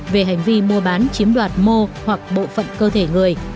về hành vi mua bán chiếm đoạt mô hoặc bộ phận cơ thể người